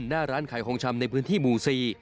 หน้าร้านขายของชำในพื้นที่หมู่๔